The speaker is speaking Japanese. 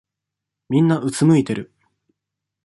みんなうつむいてる。